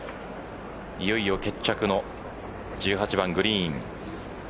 いよいよ決着の１８番グリーン。